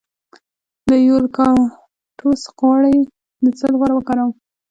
د یوکالیپټوس غوړي د څه لپاره وکاروم؟